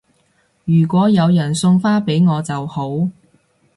如果有人送花俾我就好